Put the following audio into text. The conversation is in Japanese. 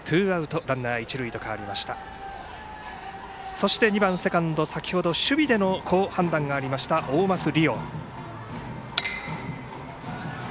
そして、２番、セカンド、先ほど守備での好判断がありました大舛凌央。